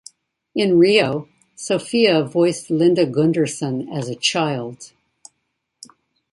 In "Rio", Sofia voiced Linda Gunderson as a child.